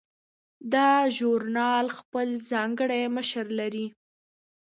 دا ژورنال خپل ځانګړی مشر لري.